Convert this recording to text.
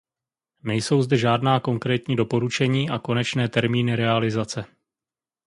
Nejsou zde žádná konkrétní doporučení a konečné termíny realizace.